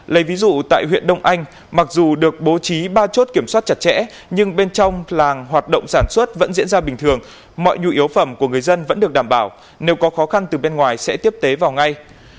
lấy ví dụ tại huyện đông anh mặc dù được bố trí ba chốt kiểm soát chặt chẽ nhưng bên trong làng hoạt động sản xuất vẫn diễn ra bình thường mọi nhu yếu phẩm của người dân vẫn được đảm bảo nếu có khó khăn từ bên ngoài sẽ tiếp tế vào ngay